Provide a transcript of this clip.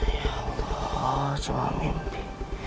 ya allah cuma mimpi